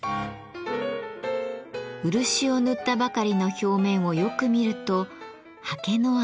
漆を塗ったばかりの表面をよく見ると刷毛の跡が。